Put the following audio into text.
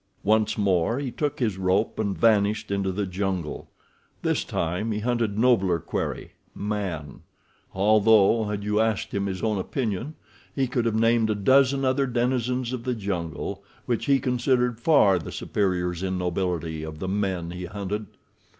Once more he took his rope and vanished into the jungle. This time he hunted nobler quarry—man; although had you asked him his own opinion he could have named a dozen other denizens of the jungle which he considered far the superiors in nobility of the men he hunted.